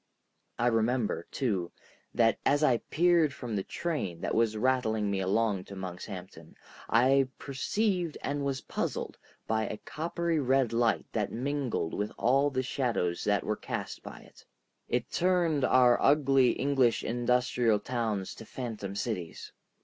I remember, too, that as I peered from the train that was rattling me along to Monkshampton, I perceived and was puzzled by a coppery red light that mingled with all the shadows that were cast by it. It turned our ugly English industrial towns to phantom cities.